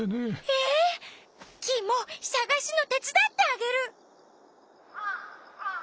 ええ！？キイもさがすのてつだってあげる！